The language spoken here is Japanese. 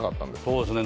そうですね